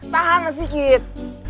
tahan lah sedikit